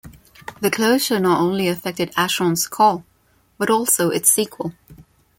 The closure not only affected "Asheron's Call", but also its sequel.